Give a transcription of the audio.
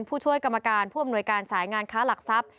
ผู้ช่วยกรรมการผู้อำนวยการสายงานค้าหลักทรัพย์